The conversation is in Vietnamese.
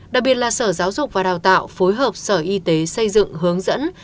đặc biệt là sở giáo dục và đào tạo phối hợp sở y tế xây dựng hướng dẫn